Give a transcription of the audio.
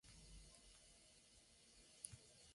Es el municipio más septentrional de España.